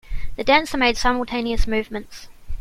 The dancer made simultaneous movements.